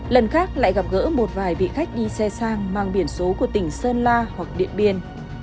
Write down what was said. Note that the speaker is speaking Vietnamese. lần khác lại gặp gỡ một vài vị khách đi xe sang mang biển số của tỉnh sơn la hoặc điện biên